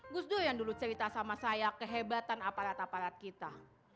gus dur yang dulu cerita sama saya kehebatan aparat aparat kita